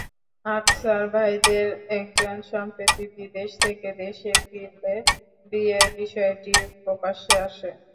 আকসার ভাইদের একজন সম্প্রতি বিদেশ থেকে দেশে ফিরলে বিয়ের বিষয়টি প্রকাশ্যে আসে।